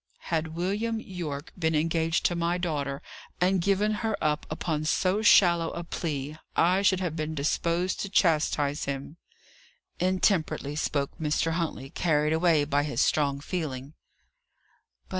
"Had William Yorke been engaged to my daughter, and given her up upon so shallow a plea, I should have been disposed to chastise him," intemperately spoke Mr. Huntley, carried away by his strong feeling.